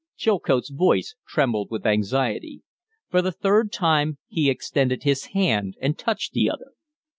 Chilcote's voice trembled with anxiety. For the third time he extended his hand and touched the other.